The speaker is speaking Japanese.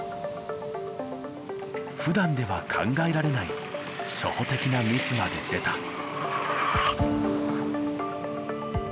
ふだんでは考えられない初歩的なミスまで出た。